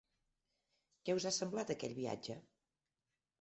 Què us ha semblat aquell viatge?